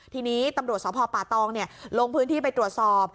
ทีนี้ตำรวจสพป่าตองลงพื้นที่ไปตรวจสอบ